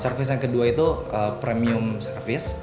service yang kedua itu premium service